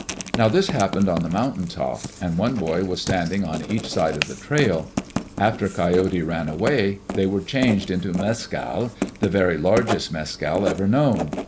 Now this happened on the mountain top, and one boy was standing on each side of the trail. After Coyote ran away, they were changed into mescal the very largest mescal ever known.